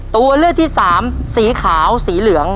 ตัวเลือกที่สามสีขาวสีเหลือง